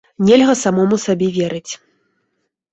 Нельга самому сабе верыць.